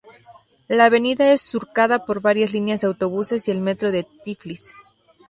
La avenida es surcada por varias líneas de autobuses y el metro de Tiflis.